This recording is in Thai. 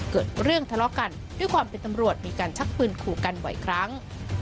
เกิดเรื่องทะเลาะกันด้วยความเป็นตำรวจมีการชักปืนขู่กันบ่อยครั้ง